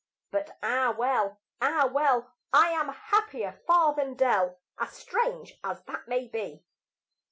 But ah, well! ah, well! I am happier far than Dell, As strange as that may be.